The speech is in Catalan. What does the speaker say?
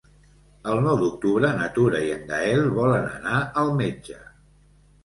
El nou d'octubre na Tura i en Gaël volen anar al metge.